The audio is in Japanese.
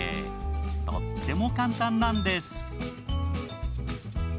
とっても簡単なんです